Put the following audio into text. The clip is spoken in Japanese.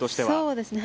そうですね。